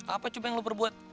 apa cuma yang lu perbuat